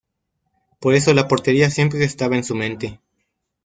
Por eso la portería siempre estaba en su mente.